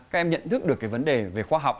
các em nhận thức được cái vấn đề về khoa học